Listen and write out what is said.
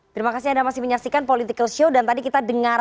kelihatannya setelah ini kejahatannya pak prabowo